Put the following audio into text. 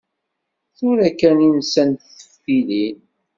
Tura kan i nsant teftilin.